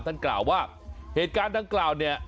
ท่านกล่าวว่าเหตุการณ์ท่านกล่าวเนี่ย